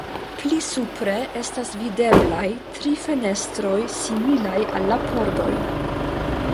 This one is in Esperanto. Pli supre estas videblaj tri fenestroj similaj al la pordoj.